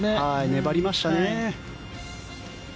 粘りましたね。